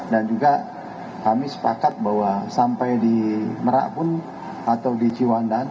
dan juga kami sepakat bahwa sampai di merak pun atau di ciwandan